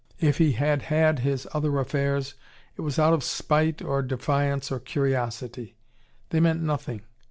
If he had had his other affairs it was out of spite or defiance or curiosity. They meant nothing.